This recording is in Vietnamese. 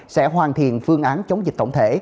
sẽ hoàn thiện phương án chống dịch tổng thể